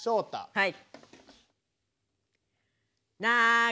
はい！